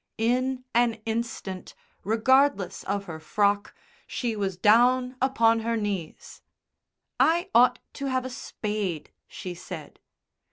In an instant, regardless of her frock, she was down upon her knees. "I ought to have a spade," she said.